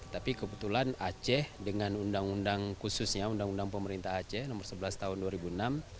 tapi kebetulan aceh dengan undang undang khususnya undang undang pemerintah aceh nomor sebelas tahun dua ribu enam